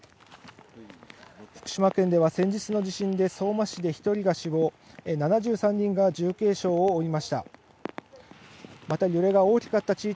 福島県では先日の地震で相馬市で１人が死亡、７３人が重軽傷を負いました。